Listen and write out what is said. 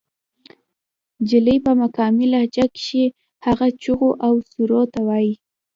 جلۍ پۀ مقامي لهجه کښې هغه چغو او سُورو ته وائي